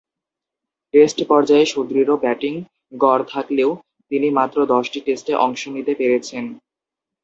Test পর্যায়ে সুদৃঢ় batting গড় থাকলেও তিনি মাত্র দশটি টেস্টে অংশ নিতে পেরেছেন।